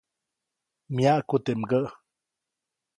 Myaʼku teʼ mgäʼ.